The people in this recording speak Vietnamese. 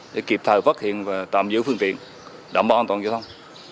để kịp thời phát hiện và tạm giữ phương tiện đảm bảo an toàn giao thông